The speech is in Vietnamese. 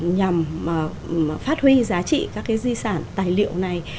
nhằm phát huy giá trị các cái di sản tài liệu này